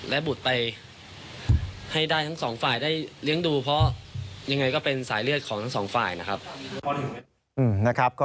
และบุตรไปให้ได้ทั้งสองฝ่ายได้เลี้ยงดูเพราะยังไงก็เป็นสายเลือดของทั้งสองฝ่ายนะครับ